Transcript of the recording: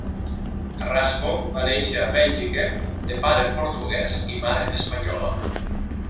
Carrasco va néixer a Bèlgica, de pare portuguès i mare espanyola.